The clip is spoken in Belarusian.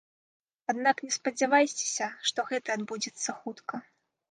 Аднак не спадзявайцеся, што гэта адбудзецца хутка.